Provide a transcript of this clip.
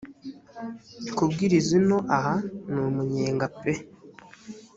kubwiriza ino aha ni umunyenga pe